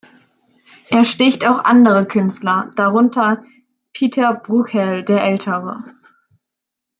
Er sticht auch andere Künstler, darunter Pieter Brueghel der Ältere.